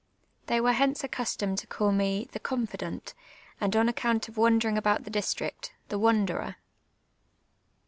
They were hence accustomed to call me the ''confidant," and on account of wandering about the district, the "wanderer."